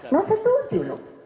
nah setuju lho